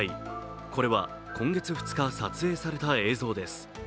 これは今月２日、撮影された映像です。